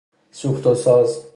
سوخت و ساز